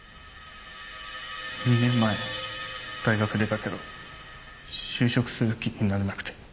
２年前大学出たけど就職する気になれなくて。